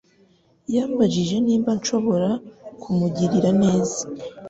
Yambajije niba nshobora kumugirira neza.